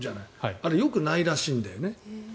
あれ、よくないらしいんだよね。